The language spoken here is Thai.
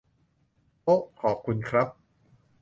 โอ๊ะ ขอบคุณครับ